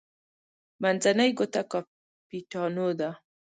منځنۍ ګوته کاپیټانو ده.